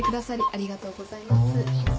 ありがとうございます。